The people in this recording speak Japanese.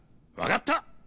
わかった。